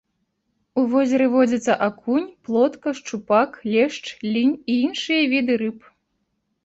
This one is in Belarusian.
У возеры водзяцца акунь, плотка, шчупак, лешч, лінь і іншыя віды рыб.